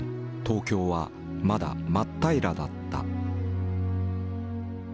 東京はまだ真っ平らだった。